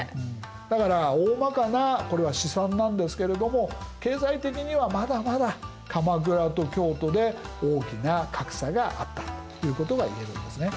だからおおまかなこれは試算なんですけれども経済的にはまだまだ鎌倉と京都で大きな格差があったということがいえるんですね。